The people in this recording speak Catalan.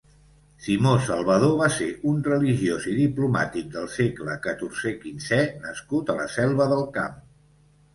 Simó Salvador va ser un religiós i diplomàtic del segle catorze-quinze nascut a la Selva del Camp.